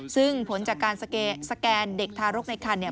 ซึ่งผลจากการสแกนเด็กทารกในคันเนี่ย